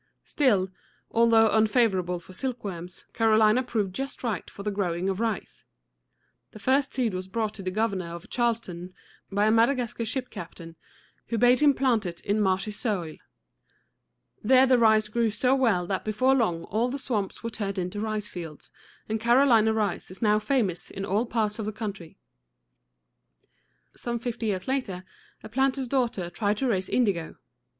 Still, although unfavorable for silkworms, Carolina proved just right for the growing of rice. The first seed was brought to the governor of Charles´ton by a Mad a gas´car ship captain, who bade him plant it in marshy soil. There the rice grew so well that before long all the swamps were turned into rice fields, and Carolina rice is now famous in all parts of the country. Some fifty years later, a planter's daughter tried to raise indigo.